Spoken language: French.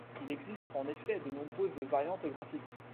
Il existe en effet de nombreuses variantes graphiques.